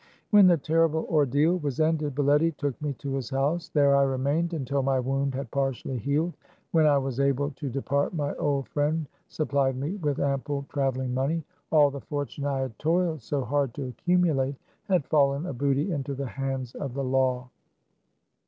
When the terrible ordeal was ended Baletty took me to his house. There I remained until THE CAB AVAN. 151 my wound had partially healed. When I was able to depart my old friend supplied me with ample traveling money. All the fortune I had toiled so hard to accumulate had fallen a booty into the hands of the law.